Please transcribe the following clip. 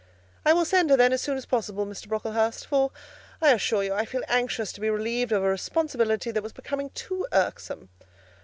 "I will send her, then, as soon as possible, Mr. Brocklehurst; for, I assure you, I feel anxious to be relieved of a responsibility that was becoming too irksome."